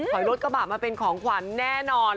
หอยรถกระบาดมาเป็นของขวานแน่นอน